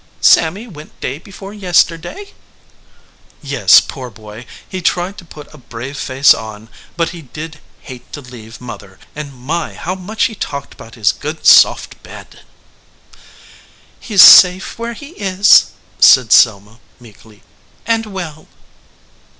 "Sammy went day before yesterday?" "Yes, poor boy. He tried to put a brave face on, but he did hate to leave mother ; and my, how much he talked about his good soft bed !" "He s safe where he is," said Selma, meekly "and well."